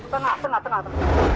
tengah tengah tengah